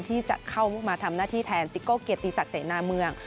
ที่จะเข้ามาทำหน้าที่แทนซิโก้เกียรติศักดิเสนาเมือง